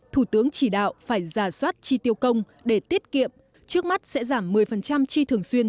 thủ tướng chỉ đạo phải giả soát chi tiêu công để tiết kiệm trước mắt sẽ giảm một mươi chi thường xuyên